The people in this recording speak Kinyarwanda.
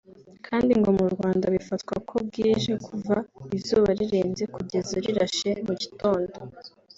kandi ngo mu Rwanda bifatwa ko bwije kuva izuba rirenze kugeza rirashe mu gitondo